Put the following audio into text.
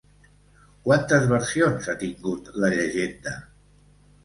Quantes versions ha tingut la llegenda?